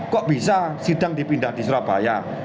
kok bisa sidang dipindah di surabaya